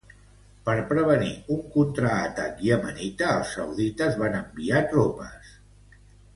Per prevenir un contraatac iemenita els saudites van enviar tropes.